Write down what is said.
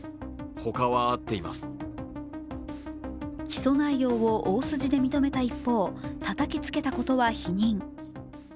起訴内容を大筋で認めた一方、たたきつけたことは否認。